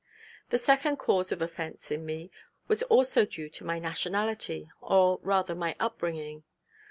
The second cause of offence in me was also due to my nationality, or rather to my upbringing.